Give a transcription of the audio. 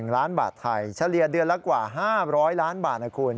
๑ล้านบาทไทยเฉลี่ยเดือนละกว่า๕๐๐ล้านบาทนะคุณ